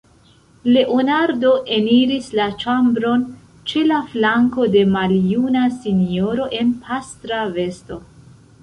Leonardo eniris la ĉambron ĉe la flanko de maljuna sinjoro en pastra vesto.